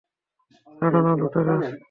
ছাড় না, লুটেরা!